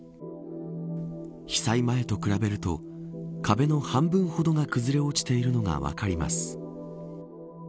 被災前と比べると壁の半分ほどが崩れ落ちているのが分かります。